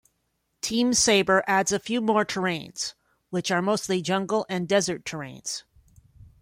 "Team Sabre" adds a few more terrains which are mostly jungle and desert terrains.